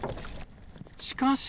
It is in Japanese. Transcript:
しかし。